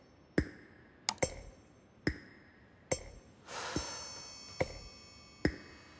はあ。